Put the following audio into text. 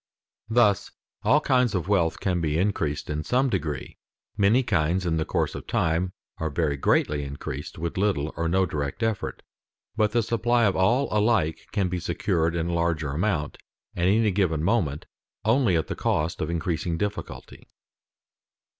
Thus all kinds of wealth can be increased in some degree; many kinds in the course of time are very greatly increased with little or no direct effort, but the supply of all alike can be secured in larger amount at any given moment only at the cost of increasing difficulty.